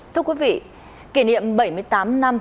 thưa quý vị kỷ niệm bảy mươi tám năm